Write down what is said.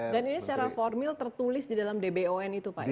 dan ini secara formil tertulis di dalam dbon itu pak ya